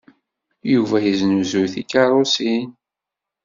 Yuba yesnuzuy tikeṛṛusin.